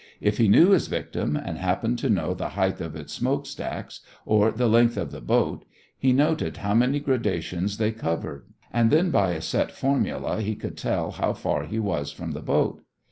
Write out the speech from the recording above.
If he knew his victim and happened to know the height of its smoke stacks or the length of the boat, he noted how many graduations they covered, and then by a set formula he could tell how far he was from the boat.